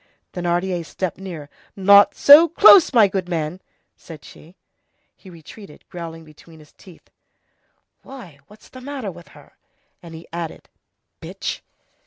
Thénardier stepped nearer. "Not so close, my good man!" said she. He retreated, growling between his teeth:— "Why, what's the matter with her?" And he added:— "Bitch!"